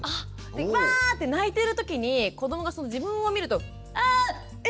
ワーって泣いてる時に子どもが自分を見るとア！えっ？